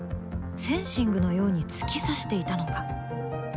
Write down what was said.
フェンシングのように突き刺していたのか？